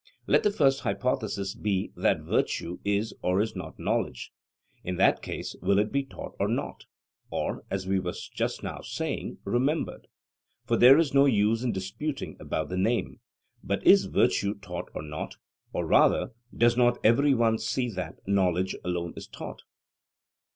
Let the first hypothesis be that virtue is or is not knowledge, in that case will it be taught or not? or, as we were just now saying, 'remembered'? For there is no use in disputing about the name. But is virtue taught or not? or rather, does not every one see that knowledge alone is taught?